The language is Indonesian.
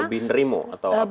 lebih nerimo atau apa